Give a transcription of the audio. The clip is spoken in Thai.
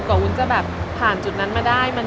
ก่อนวุ้นจะผ่านจุดนั้นมาได้